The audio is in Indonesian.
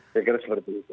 saya kira seperti itu